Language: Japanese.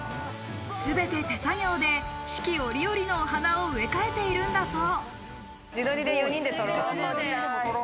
すべて手作業で四季折々のお花を植え替えているんだそう。